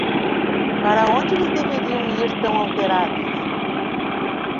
Para onde eles deveriam ir tão alterados?